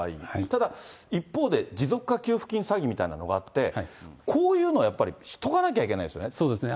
ただ、一方で、持続化給付金詐欺みたいなのがあって、こういうのやっぱり知っとそうですね。